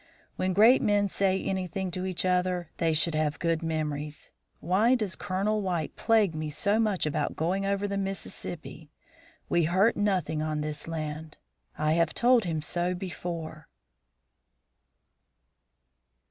When great men say anything to each other, they should have good memories. Why does Colonel White plague me so much about going over the Mississippi? We hurt nothing on this land. I have told him so before."